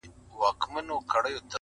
افتخار د پښتنو به قلندر عبدالرحمن وي،